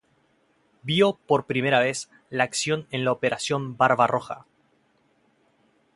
Vio por primera vez la acción en la Operación Barbarroja.